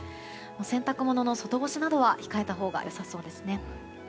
洗濯物の外干しなどは控えたほうが良さそうですね。